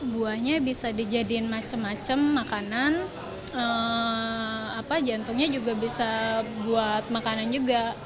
buahnya bisa dijadikan macam macam makanan jantungnya juga bisa buat makanan juga